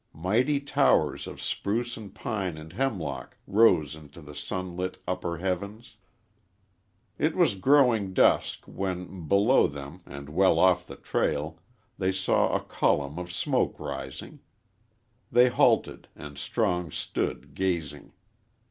Mighty towers of spruce and pine and hemlock rose into the sunlit, upper heavens. It was growing dusk when, below them and well off the trail, they saw a column of smoke rising. They halted, and Strong stood gazing.